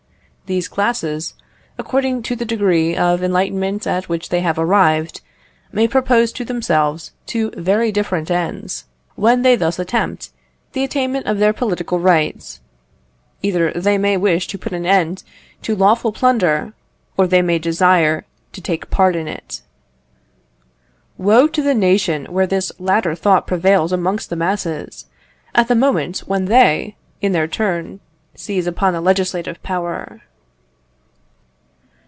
These classes, according to the degree of enlightenment at which they have arrived, may propose to themselves two very different ends, when they thus attempt the attainment of their political rights; either they may wish to put an end to lawful plunder, or they may desire to take part in it. Woe to the nation where this latter thought prevails amongst the masses, at the moment when they, in their turn, seize upon the legislative power!